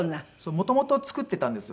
元々作っていたんですよ